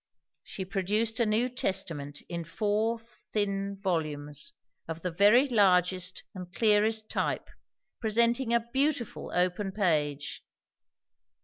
She produced a New Testament in four thin volumes, of the very largest and clearest type; presenting a beautiful open page.